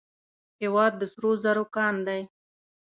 هیواد د سرو زرو کان دی